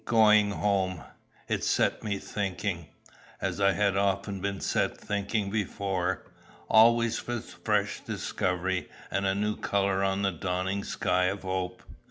Going home. It set me thinking as I had often been set thinking before, always with fresh discovery and a new colour on the dawning sky of hope.